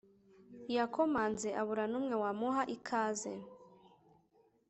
yakomanze abura numwe wamuha ikaze